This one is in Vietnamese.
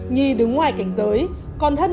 nhi đứng ngoài cảnh giới